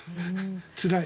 つらい。